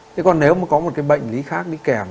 thế còn nếu mà có một cái bệnh lý khác đi kèm